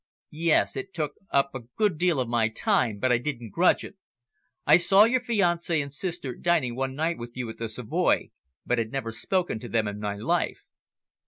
"Yes, it took up a good deal of my time, but I didn't grudge it. I saw your fiancee and sister dining one night with you at the Savoy, but had never spoken to them in my life.